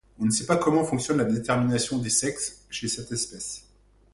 On ne sait pas comment fonctionne la détermination des sexes chez cette espèce.